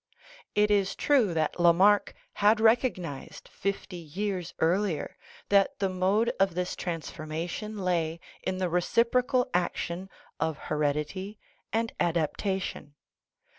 It is true that Lamarck had recognized fifty years earlier that the mode of this transformation lay in the reciprocal action of heredity and adaptation.